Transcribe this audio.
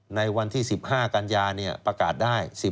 ในวันที่๑๕กัญญาเนี่ยประกาศได้